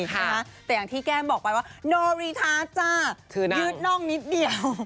แต่อย่างที่แก้มบอกไปว่าโนรีธาจ้ายืดน่องนิดเดียว